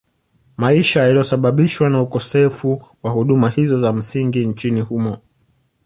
Maisha yaliyosababishwa na ukosefu wa huduma hizo za msingi nchini humo